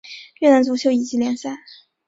越南足球乙级联赛。